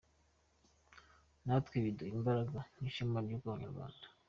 Natwe biduha imbaraga n’ishema ryo kuba Abanyarwanda.